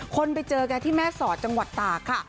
คนไปเจอกันที่แม่สอดจังหวัดตากค่ะ